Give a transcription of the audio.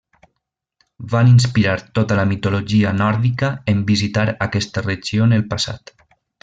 Van inspirar tota la mitologia nòrdica en visitar aquesta regió en el passat.